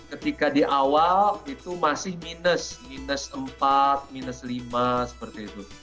ketika di awal itu masih minus minus empat minus lima seperti itu